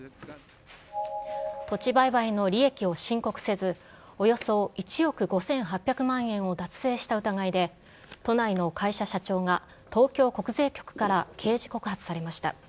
土地売買の利益を申告せず、およそ１億５８００万円を脱税した疑いで、都内の会社社長が東京国税局から刑事告発されました。